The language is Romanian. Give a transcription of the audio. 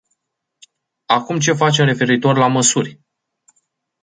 Acum ce facem referitor la măsuri?